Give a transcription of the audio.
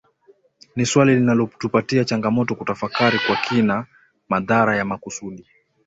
Ni swali linalotupatia changamoto kutafakari kwa kina madhara ya makusudi